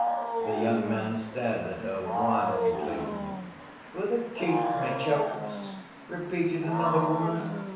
The young man stared at her wildly. "For the Kuzmitchovs?" repeated another woman.